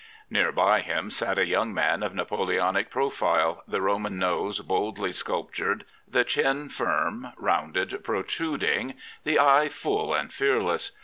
Near by him sat a young man of Napoleonic profile, the Roman nose boldly sculptured, the chin firm, rounded, protjuding, the eye full and fearless.